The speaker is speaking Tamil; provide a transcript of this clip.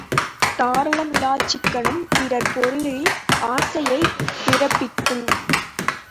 தாராளமிலாச்சிக்கனம் பிறர் பொருளில் ஆசையைப் பிறப்பிக்கும்.